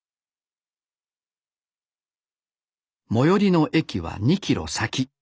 最寄りの駅は２ｋｍ先。